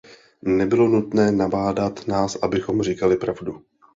Nebylo nutné nabádat nás, abychom říkali pravdu.